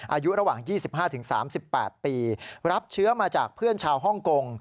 อายุระหว่าง๒๕๓๘ปีรับเชื้อมาจากเพื่อนชาวฮ่องกง